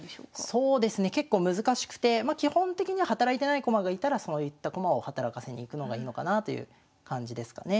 そうですね結構難しくて基本的には働いてない駒がいたらそういった駒を働かせにいくのがいいのかなという感じですかね。